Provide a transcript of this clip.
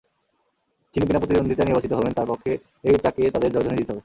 যিনি বিনা প্রতিদ্বন্দ্বিতায় নির্বাচিত হবেন, তাঁর পক্ষেই তাঁকে তাঁদের জয়ধ্বনি দিতে হবে।